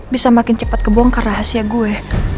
bisa makin cepat kebongkar rahasia gue